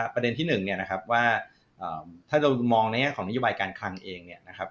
ประเด็นที่๑ว่าถ้าเรามองในอย่างของนโยบายการคลังเอง